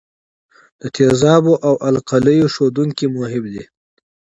د تیزابو او القلیو ښودونکي مهم دي.